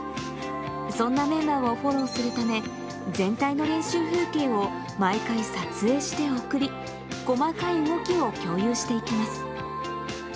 そんなメンバーをフォローするため、全体の練習風景を、毎回撮影して送り、細かい動きを共有していきます。